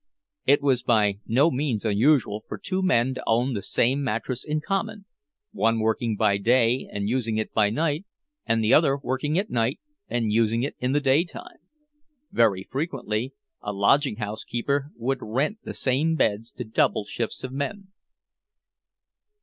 It was by no means unusual for two men to own the same mattress in common, one working by day and using it by night, and the other working at night and using it in the daytime. Very frequently a lodging house keeper would rent the same beds to double shifts of men.